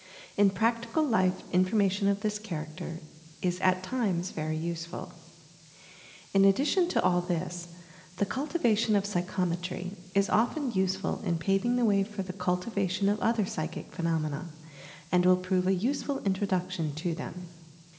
In practical life information of this character is. at times, very useful. In addition to all this, the cultivation of psychometry d PSYCHOMETBY 89 is often useful in paving the way for the cultivation of other psychic phenomena, and will prove a useful Introduction to them.